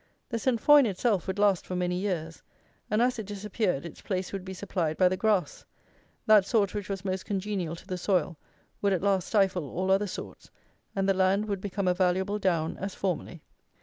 The Saint foin itself would last for many years; and as it disappeared, its place would be supplied by the grass; that sort which was most congenial to the soil, would at last stifle all other sorts, and the land would become a valuable down as formerly.